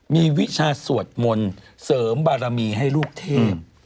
มีวิชาสวดมนต์เสริมบารมีให้ลูกเทพ